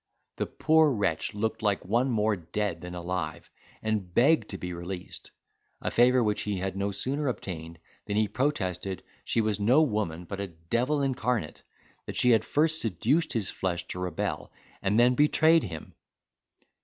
The poor wretch looked like one more dead than alive, and begged to be released; a favour which he had no sooner obtained than he protested she was no woman, but a devil incarnate—that she had first seduced his flesh to rebel, and then betrayed him.